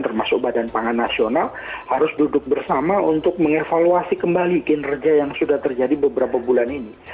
termasuk badan pangan nasional harus duduk bersama untuk mengevaluasi kembali kinerja yang sudah terjadi beberapa bulan ini